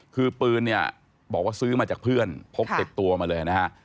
คือปืนเนี่ยบอกว่าซื้อมาจากเพื่อนพกติดตัวมาเลยนะฮะ